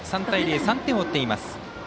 ３対０、３点を追っています。